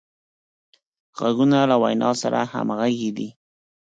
غوږونه له وینا سره همغږي دي